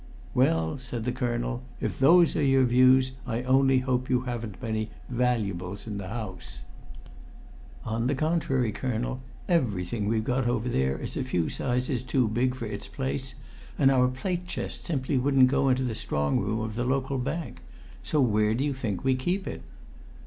"Well," said the colonel, "if those are your views I only hope you haven't many "valuables" in the house." "On the contrary, colonel, everything we've got over there is a few sizes too big for its place, and our plate chest simply wouldn't go into the strong room of the local bank. So where do you think we keep it?"